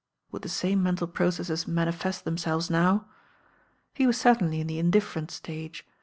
Would the same mental processes mani fest themselves now? He was certainly in the in different stage.